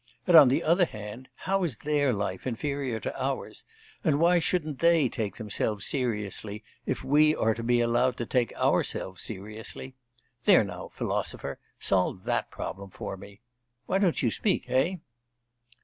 And, on the other hand, how is their life inferior to ours? And why shouldn't they take themselves seriously, if we are to be allowed to take ourselves seriously? There now, philosopher, solve that problem for me! Why don't you speak? Eh?